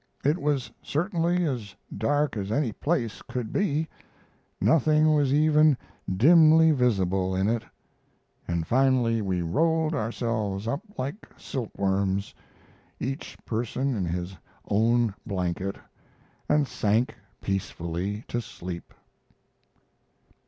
It was certainly as dark as any place could be nothing was even dimly visible in it. And finally we rolled ourselves up like silkworms, each person in his own blanket, and sank peacefully to sleep.